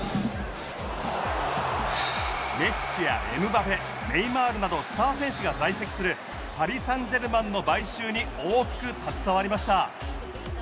メッシやエムバペネイマールなどスター選手が在籍するパリ・サンジェルマンの買収に大きく携わりました。